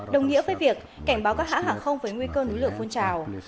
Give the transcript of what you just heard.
đồng nghĩa với việc cảnh báo các hãng hàng không với nguy cơ núi lửa phun trào